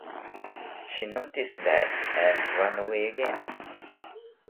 She noticed that and run away again.